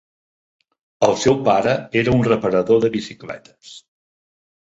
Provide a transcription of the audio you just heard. El seu pare era un reparador de bicicletes.